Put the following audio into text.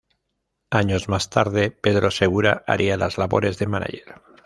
Años más tarde, Pedro Segura haría las labores de manager.